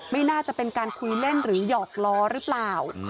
ไม่น่าจะเป็นการคุยเล่นหรือหยอกล้อหรือเปล่า